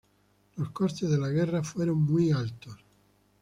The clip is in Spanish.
Los costes de la guerra fueron muy altos.